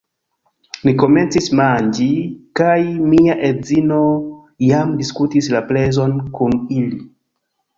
Ni komencis manĝi kaj mia edzino jam diskutis la prezon kun ili